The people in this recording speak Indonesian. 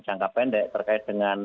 jangka pendek terkait dengan